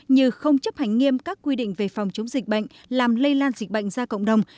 như không chấp hành nghiêm các quy định về phòng chống dịch bệnh làm lây lan dịch bệnh ra cộng đồng